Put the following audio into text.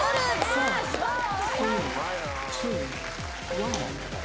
すごい！